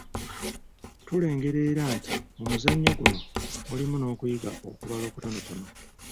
Tulengera era nti mu muzannyo guno mulimu n’okuyiga okubala okutonootono.